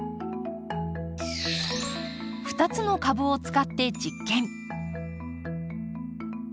２つの株を使って実験。